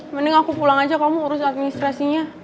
mending aku pulang aja kamu urus administrasinya